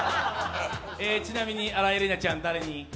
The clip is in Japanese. ちなみに新井恵理那ちゃん誰に？